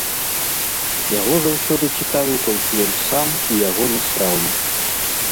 Яго заўсёды цікавіў толькі ён сам і ягоны страўнік.